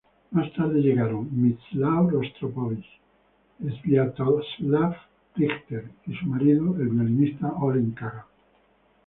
Más tarde llegaron Mstislav Rostropóvich, Sviatoslav Richter y su marido, el violinista Oleg Kagan.